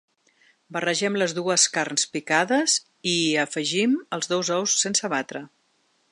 Barregem les dues carns picades i hi afegim els dos ous sense batre.